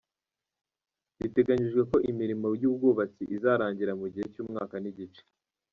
Biteganyijwe ko imirimo y’u bwubatsi izarangira mu gihe cy’umwaka n’igice.